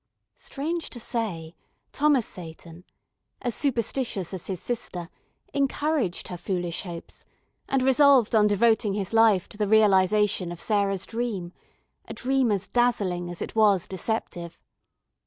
Strange to say, Thomas Seyton, as superstitious as his sister, encouraged her foolish hopes, and resolved on devoting his life to the realisation of Sarah's dream, a dream as dazzling as it was deceptive.